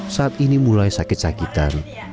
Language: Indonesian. saat ini mulai sakit sakitan